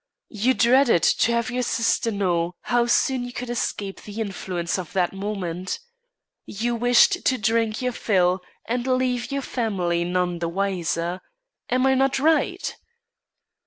You dreaded to have your sister know how soon you could escape the influence of that moment. You wished to drink your fill and leave your family none the wiser. Am I not right?"